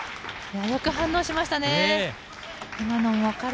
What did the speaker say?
よく反応しましたね。